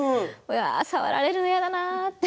触られるの嫌だなって。